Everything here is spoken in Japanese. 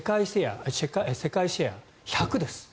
世界シェア１００％です。